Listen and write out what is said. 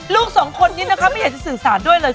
ลูกสองคนนี้นะคะไม่อยากจะสื่อสารด้วยเลย